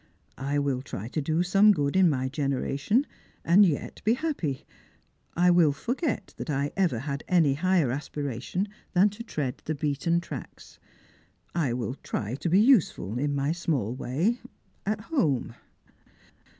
I will try to do some good in my generation, and yet be happy. I will forget that I ever had any higher aspiration than to tread the beaten tracks. I will try to be useful in my small way — at home."